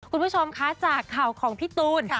คุณผู้ชมคะจากข่าวของพี่ตูน